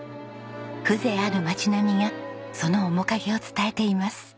風情ある町並みがその面影を伝えています。